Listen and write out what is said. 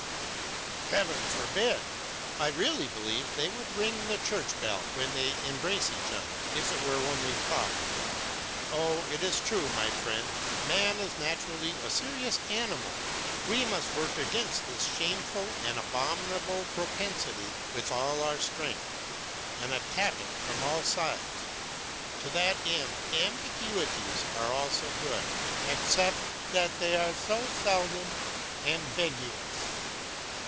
"Heaven forbid! I really believe they would ring the church bell when they embrace each other, if it were only proper. Oh, it is true, my friend, man is naturally a serious animal. We must work against this shameful and abominable propensity with all our strength, and attack it from all sides. To that end ambiguities are also good, except that they are so seldom ambiguous.